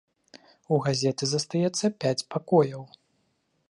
У газеты застаецца пяць пакояў.